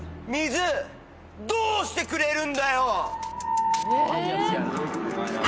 水どうしてくれるんだよ！